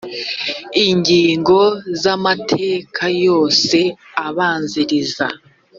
ingingo z amateka yose abanziriza